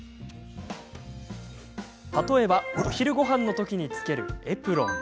例えばお昼ごはんの時に着けるエプロン。